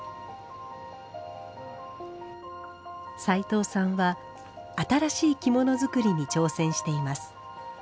齋藤さんは新しい着物作りに挑戦しています。